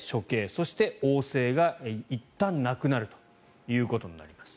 そして、王政がいったんなくなるということになります。